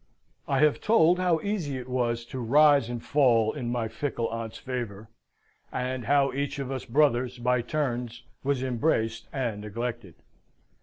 I have told how easy it was to rise and fall in my fickle aunt's favour, and how each of us brothers, by turns, was embraced and neglected.